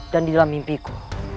dan di dalam mimpiku